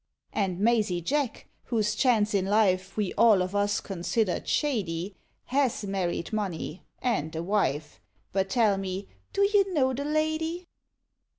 And mazy JACK, whose chance in life, We all of us considered shady, Has married money (and a wife); But tell me do you know the lady?